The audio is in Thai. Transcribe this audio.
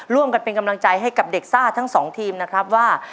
ร่วมกันเป็นกำลังใจให้กับเด็กซ่าทั้งสองทีมนะครับว่า